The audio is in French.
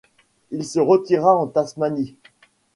Il se retira en Tasmanie.